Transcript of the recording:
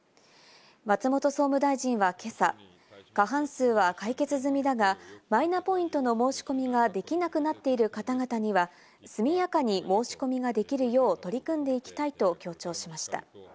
松本総務大臣は今朝、過半数は解決済みだが、マイナポイントの申し込みができなくなっている方々には、速やかに申し込みができるよう取り組んでいきたいと強調しました。